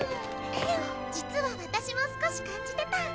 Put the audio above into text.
実は私も少し感じてた。